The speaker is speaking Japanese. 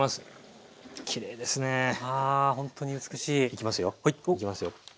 いきますよ。